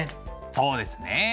そうですね。